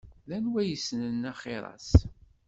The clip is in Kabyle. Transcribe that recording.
D anwa i yessnen axiṛ-as?